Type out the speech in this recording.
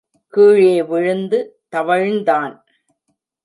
கீழே விழுந்து தவழ்ந் தான்.